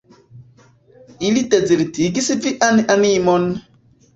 Ili dezertigis vian animon!